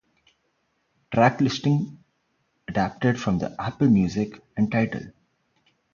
Track listing adapted from the Apple Music and Tidal.